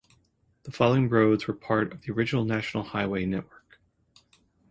The following roads were part of the original National Highway network.